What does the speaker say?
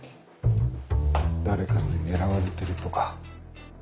誰かに狙われてるとか。